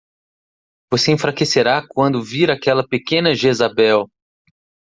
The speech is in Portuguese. Você enfraquecerá quando vir aquela pequena Jezabel!